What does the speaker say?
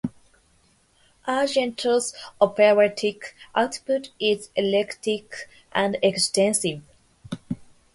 Argento's operatic output is eclectic and extensive.